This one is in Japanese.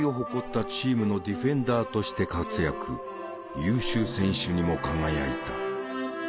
優秀選手にも輝いた。